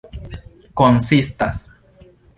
konsistas